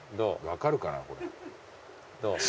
分かるかなこれ違い。